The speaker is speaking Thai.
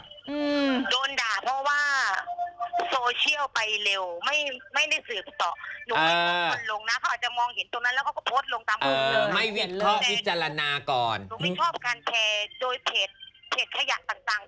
โดนด่าเพราะว่าโซเชียลไปเร็วไม่ไม่ได้สืบต่อเออลงน่ะเขาอาจจะมองเห็นตรงนั้นแล้วก็โพสต์ลงตาม